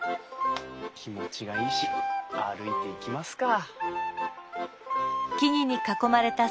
気持ちがいいし歩いていきますか。